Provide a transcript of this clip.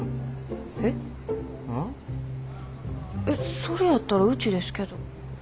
えっそれやったらうちですけど。